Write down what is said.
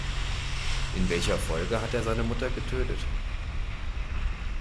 In welcher Folge hat er seine Mutter getötet?